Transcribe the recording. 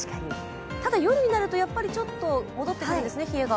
ただ、夜になるとちょっと冷えが戻ってくるんですね。